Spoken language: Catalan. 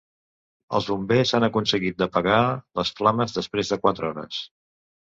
Els bombers han aconseguit d’apagar les flames després de quatre hores.